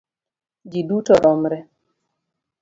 Ji duto romre.